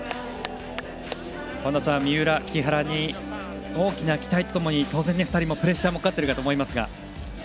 本田さん、三浦、木原に大きな期待とともに当然、２人にプレッシャーもかかっていると思いますが。